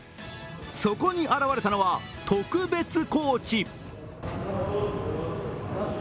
そこに現れたのは特別コーチ。